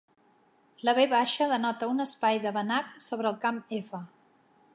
La "V" denota un espai de Banach sobre el camp "F".